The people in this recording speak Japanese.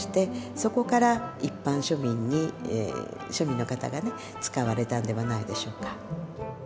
そこから一般庶民に庶民の方が使われたんではないでしょうか。